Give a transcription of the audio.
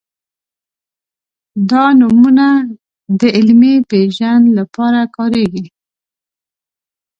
دا نومونه د علمي پېژند لپاره کارېږي.